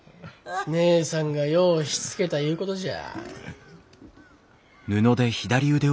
義姉さんがようしつけたいうことじゃ。